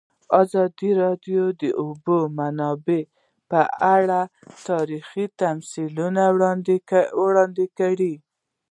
ازادي راډیو د د اوبو منابع په اړه تاریخي تمثیلونه وړاندې کړي.